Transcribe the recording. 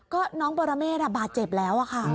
ก็น้องปรเมฆบาดเจ็บแล้วค่ะ